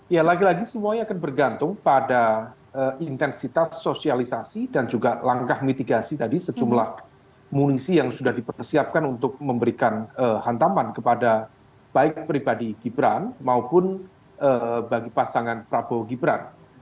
ya lagi lagi semuanya akan bergantung pada intensitas sosialisasi dan juga langkah mitigasi tadi sejumlah munisi yang sudah dipersiapkan untuk memberikan hantaman kepada baik pribadi gibran maupun bagi pasangan prabowo gibran